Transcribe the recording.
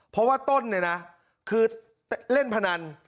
เพราะว่าต้นเนี่ยนะคือเล่นพนัน